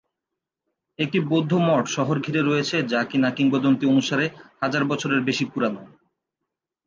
একটি বৌদ্ধ মঠ শহর ঘিরে রয়েছে যা কিনা কিংবদন্তি অনুসারে হাজার বছরের বেশি পুরানো।